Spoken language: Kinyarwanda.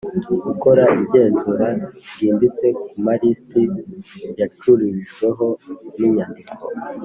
Gukora igenzura ryimbitse ku malisiti yacururijweho n inyandiko